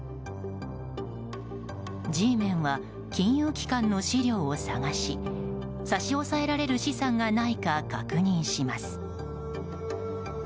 Ｇメンは、金融機関の資料を捜し差し押さえられる資産がないか確認します。